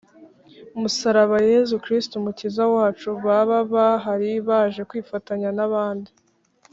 musaraba yezu kristu umukiza wacu, baba bahari baje kwifatanya n’abandi,